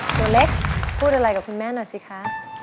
ตัวเล็กพูดอะไรกับคุณแม่หน่อยสิคะ